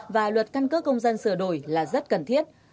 và luật căn cước công dân sửa đổi là rất cần thiết